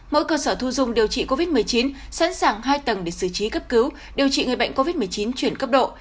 mỗi cơ sở thu dung điều trị covid một mươi chín sẵn sàng hai tầng để xử trí cấp cứu điều trị người bệnh covid một mươi chín chuyển cấp độ